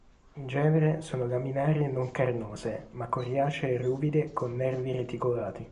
In genere sono laminari e non carnose ma coriacee e ruvide con nervi reticolati.